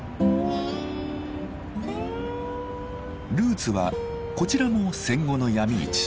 ルーツはこちらも戦後の闇市。